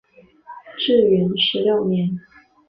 至元十六年。